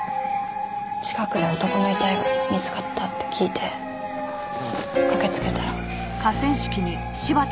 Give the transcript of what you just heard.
近くで男の遺体が見つかったって聞いて駆けつけたら。